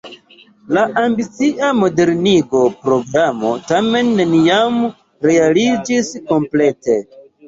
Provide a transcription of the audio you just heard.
La ambicia modernigo-programo tamen neniam realiĝis komplete.